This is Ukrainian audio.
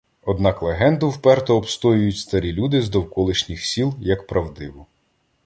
Однак легенду вперто обстоюють старі люди з довколишніх сіл як правдиву.